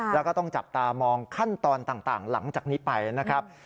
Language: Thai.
แล้วก็ต้องจับตามองขั้นตอนต่างหลังจากนี้ไปนะครับ